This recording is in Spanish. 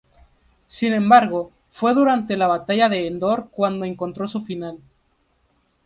Sin embargo, fue durante la Batalla de Endor cuando encontró su final.